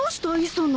磯野。